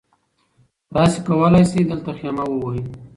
تاسي کولای شئ دلته خیمه ووهئ.